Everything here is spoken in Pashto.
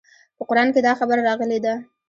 په قران کښې دا خبره راغلې ده.